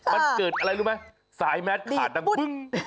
มันเกิดอะไรรู้ไหมสายแมสขาดดังปึ้ง